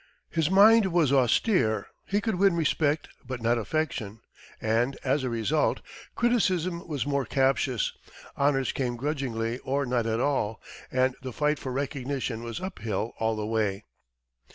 His mind was austere, he could win respect but not affection, and, as a result, criticism was more captious, honors came grudgingly or not at all, and the fight for recognition was up hill all the way.